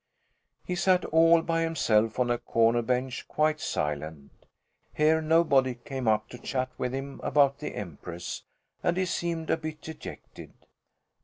He sat all by himself on a corner bench, quite silent. Here nobody came up to chat with him about the Empress, and he seemed a bit dejected.